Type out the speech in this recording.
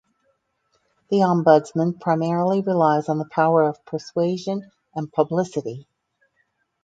The Ombudsman primarily relies on the power of persuasion and publicity.